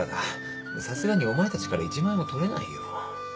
さすがにお前たちから１万円も取れないよ。